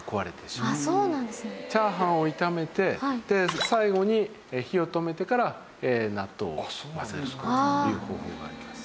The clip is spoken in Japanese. チャーハンを炒めて最後に火を止めてから納豆を混ぜるという方法があります。